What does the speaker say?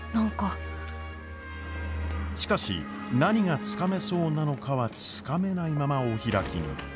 しかし何がつかめそうなのかはつかめないままお開きに。